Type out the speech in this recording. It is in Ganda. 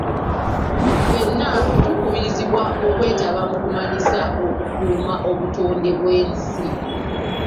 Ffenna tukubirizibwa okwetaba mu kumanyisa okukuuma obutonde bw'ensi.